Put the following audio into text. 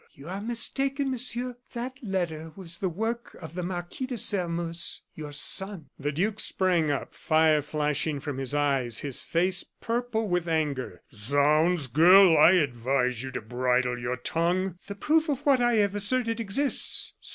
"You are mistaken, Monsieur; that letter was the work of the Marquis de Sairmeuse, your son." The duke sprang up, fire flashing from his eyes, his face purple with anger. "Zounds! girl! I advise you to bridle your tongue!" "The proof of what I have asserted exists."